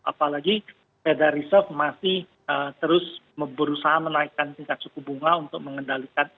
apalagi federa reserve masih terus berusaha menaikkan tingkat suku bunga untuk mengendalikan